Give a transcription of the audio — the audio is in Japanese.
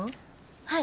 はい。